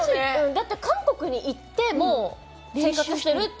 だって韓国に行ってもう生活してるって。